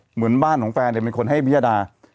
เหมือนบ้านของแฟนเป็นคนให้พิยดา